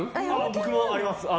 僕もあります。